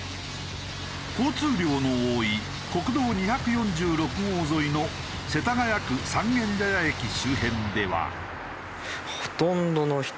交通量の多い国道２４６号沿いの世田谷区三軒茶屋駅周辺では。